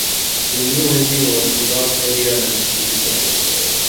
The new engine was about heavier than its predecessor.